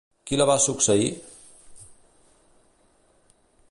Qui la va succeir?